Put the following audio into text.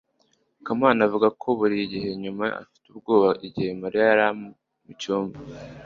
kamana avuga ko buri gihe yumva afite ubwoba igihe mariya ari mucyumba